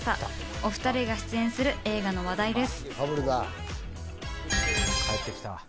お２人が出演する映画の話題です。